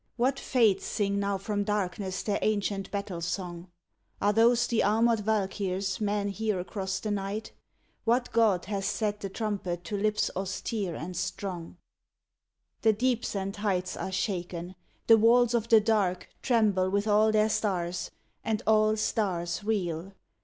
What Fates sing now from darkness their ancient battle song? Are those the armored Valkvr men hear across the night? What god hath set the trumpet to lips austere and strong? The deeps and heights are shaken. The walls of the Dark Tremble with all their stars, and all stars reel.